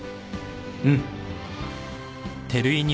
うん。